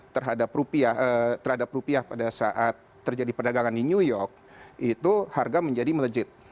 terhadap rupiah terhadap rupiah pada saat terjadi perdagangan di new york itu harga menjadi melejit